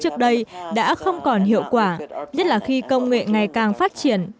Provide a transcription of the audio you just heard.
nhưng các mô hình cũ trước đây đã không còn hiệu quả nhất là khi công nghệ ngày càng phát triển